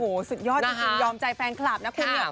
โอ้โหสุดยอดจริงยอมใจแฟนคลับนะคุณเนี่ย